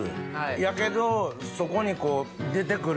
やけどそこにこう出て来る